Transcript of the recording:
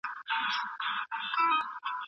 چاپېریال زموږ په ټولنیز ژوند اغېزه لري.